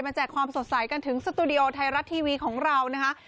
แจกความสดใสกันถึงสตูดิโอไทยรัฐทีวีของเรานะคะ